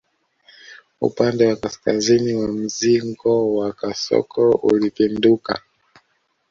Upande wa kaskazini wa mzingo wa kasoko ulipinduka